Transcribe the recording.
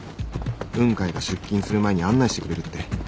雲海が出勤する前に案内してくれるって